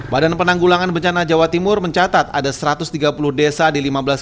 badan penanggulangan bencana jawa timur mencatat ada satu ratus tiga puluh desa di lima belas